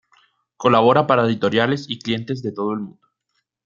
Colabora para editoriales y clientes de todo el mundo.